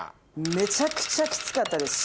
めちゃくちゃキツかったです。